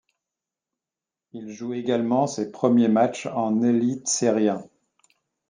Il joue également ses premiers matchs en Elitserien.